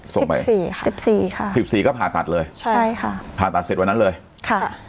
ส่งไปสี่สิบสี่ค่ะสิบสี่ก็ผ่าตัดเลยใช่ค่ะผ่าตัดเสร็จวันนั้นเลยค่ะ